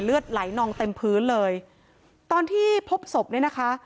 เลือดไหลนองเต็มพื้นเลยตอนที่พบศพเนี่ยนะคะ